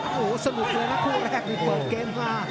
โอ้โหสะหรับคู่แรกที่เปิดเกมมา